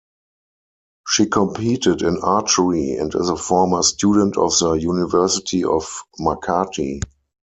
She competed in archery and is a former student of the University of Makati.